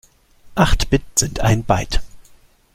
Acht Bit sind ein Byte.